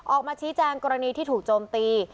ออกมาชี้แจงกรณีที่ถูกโจมตี